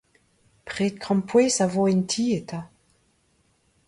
Pred krampouezh a vo en ti eta.